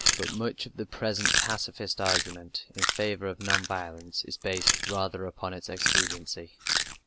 But much of the present pacifist argument in favor of non violence is based rather upon its expediency.